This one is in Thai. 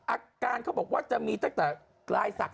อาการเขาบอกว่าจะมีตั้งแต่ปลายศักดิ